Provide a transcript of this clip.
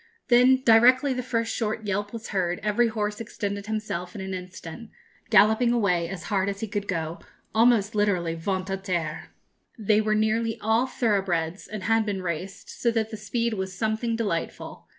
Then, directly the first short yelp was heard, every horse extended himself in an instant, galloping away as hard as he could go, almost literally ventre à terre. They were nearly all thoroughbreds, and had been raced, so that the speed was something delightful.